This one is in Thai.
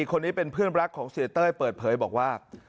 คนนี้เป็นเพื่อนรักของเสียเต้ยเปิดเผยบอกว่า